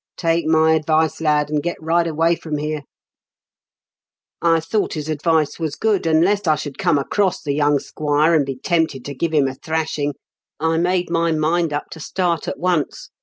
Take my advice, lad, and get right away from here/ " I thought his advice was good, and, lest I should come across the young squire, and be tempted to give him a thrashing, I made my mind up to start at once.